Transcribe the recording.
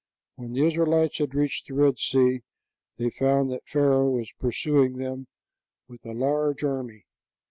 When the Israelites had reached the Red Sea, they found that Pharaoh was pursuing them with a large army.